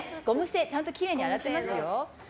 ちゃんときれいに洗ってますよ。